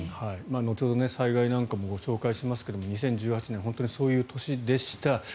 後ほど災害なんかもご紹介しますが２０１８年本当にそういう年でした。